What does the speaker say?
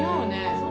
そう？